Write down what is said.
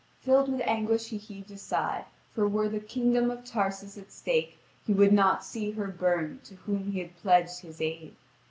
Filled with anguish he heaved a sigh, for were the kingdom of Tarsus at stake he would not see her burned to whom he had pledged his aid.